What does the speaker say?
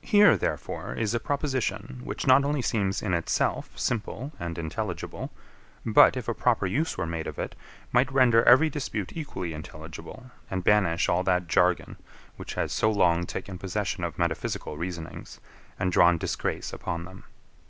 17. Here, therefore, is a proposition, which not only seems, in itself, simple and intelligible; but, if a proper use were made of it, might render every dispute equally intelligible, and banish all that jargon, which has so long taken possession of metaphysical reasonings, and drawn disgrace upon them.